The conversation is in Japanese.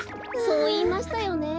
そういいましたよね。